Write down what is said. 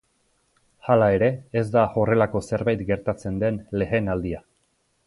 Hala ere, ez da horrelako zerbait gertatzen den lehen aldia.